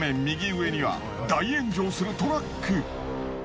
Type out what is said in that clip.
右上には大炎上するトラック。